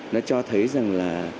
nó cho thấy rằng là